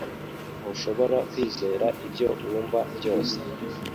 Ntushobora kwizera ibyo wumva byose